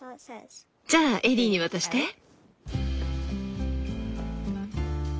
じゃあエリーに渡して。